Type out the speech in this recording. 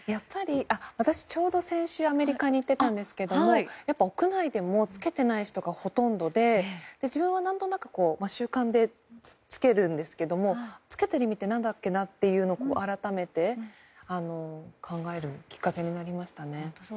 私、ちょうど先週アメリカに行っていたんですが屋内でも着けていない人がほとんどで自分は何となく習慣で着けるんですけど着けている意味って何だっけな？って改めて考えるきっかけになりました。